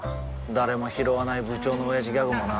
誰もひろわない部長のオヤジギャグもな